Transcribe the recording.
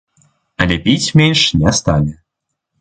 Але піць менш не сталі.